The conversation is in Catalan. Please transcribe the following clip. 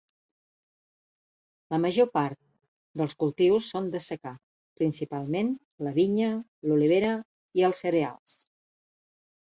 La major part dels cultius són de secà, principalment la vinya, l'olivera i els cereals.